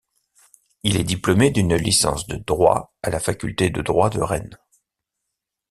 Il est diplômé d'une licence de droit à la faculté de droit de Rennes.